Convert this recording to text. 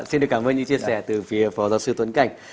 xin cảm ơn như chia sẻ từ phía phó giáo sư tuấn cảnh